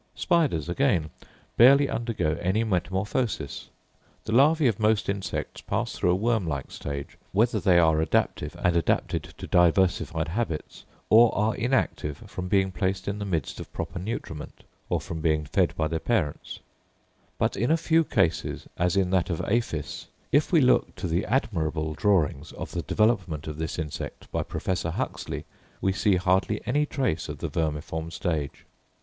Spiders, again, barely undergo any metamorphosis. The larvæ of most insects pass through a worm like stage, whether they are active and adapted to diversified habits, or are inactive from being placed in the midst of proper nutriment, or from being fed by their parents; but in some few cases, as in that of Aphis, if we look to the admirable drawings of the development of this insect, by Professor Huxley, we see hardly any trace of the vermiform stage.